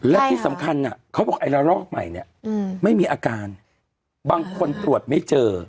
และที่สำคัญเขาบอกไอ้ละลอกใหม่เนี่ยไม่มีอาการบางคนตรวจไม่เจอ